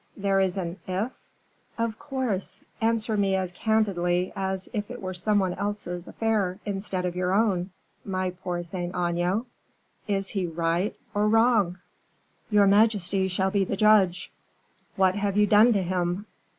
There is an 'if'!" "Of course; answer me as candidly as if it were some one else's affair instead of your own, my poor Saint Aignan; is he right or wrong?" "Your majesty shall be the judge." "What have you done to him?"